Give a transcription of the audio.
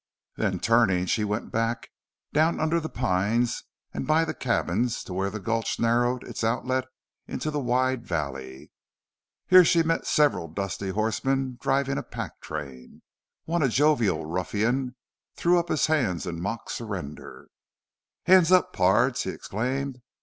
Then turning, she went back, down under the pines and by the cabins, to where the gulch narrowed its outlet into the wide valley. Here she met several dusty horsemen driving a pack train. One, a jovial ruffian, threw up his hands in mock surrender. "Hands up, pards!" he exclaimed.